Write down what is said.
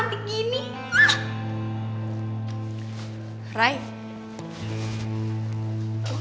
bikin dia sadar